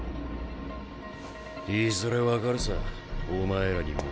いずれ分かるさお前らにも。